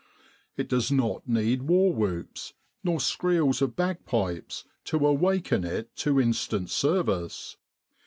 It does not need war whoops, nor screels of bagpipes, to awaken it to instant service.